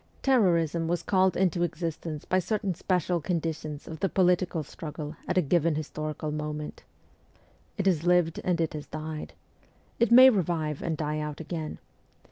Terrorism was called into existence by certain special conditions of the political struggle at a given historical moment. It has lived, and has died. It may revive and die out again.